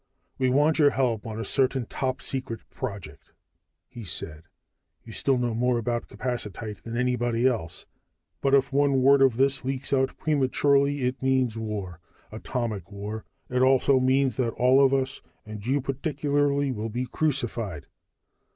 "We want your help on a certain top secret project," he said. "You still know more about capacitite than anybody else. But if one word of this leaks out prematurely, it means war. Atomic war. It also means that all of us, and you particularly, will be crucified."